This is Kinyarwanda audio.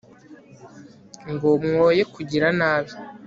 ngo mwoye kugira nabi